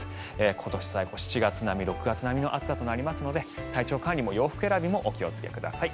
今年最高、７月並み、６月並みの暑さとなりますので体調管理も洋服選びもお気をつけください。